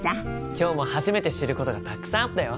今日も初めて知ることがたくさんあったよ。